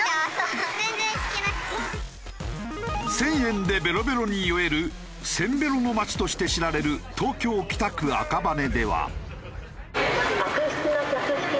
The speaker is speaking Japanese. １０００円でベロベロに酔えるせんべろの街として知られる東京北区赤羽では。